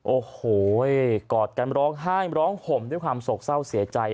โอ้โหกอดกันร้องไห้ร้องห่มด้วยความโศกเศร้าเสียใจ